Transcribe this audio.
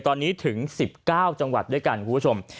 ตอนนี้ถึง๑๙จังหวัดด้วยกันคุณผู้ชม